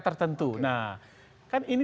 tertentu nah kan ini